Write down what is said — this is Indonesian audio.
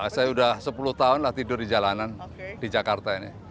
saya sudah sepuluh tahun lah tidur di jalanan di jakarta ini